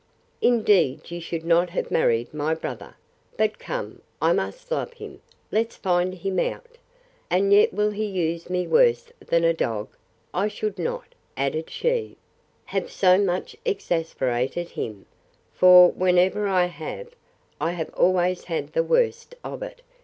Indeed you should not have married my brother! But come, I must love him! Let's find him out! And yet will he use me worse than a dog!—I should not, added she, have so much exasperated him: for, whenever I have, I have always had the worst of it.